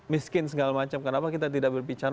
miskin segala macam kenapa kita tidak berbicara